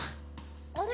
あれ？